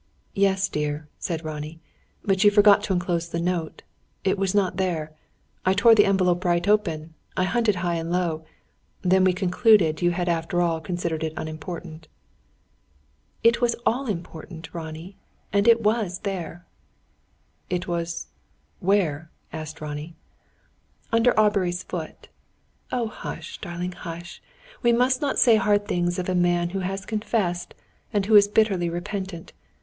"Yes, dear," said Ronnie. "But you forgot to enclose the note. It was not there. I tore the envelope right open; I hunted high and low. Then we concluded you had after all considered it unimportant." "It was all important, Ronnie; and it was there." "It was where?" asked Ronnie. "Under Aubrey's foot.... Oh, hush, darling, hush! We must not say hard things of a man who has confessed, and who is bitterly repentant.